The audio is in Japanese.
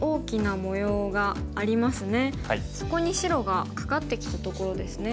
そこに白がカカってきたところですね。